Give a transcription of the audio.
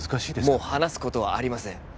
もう話すことはありません